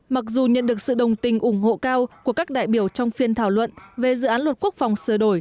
mặc dù nhận được sự đồng tình ủng hộ cao của các đại biểu trong phiên thảo luận về dự án luật quốc phòng sửa đổi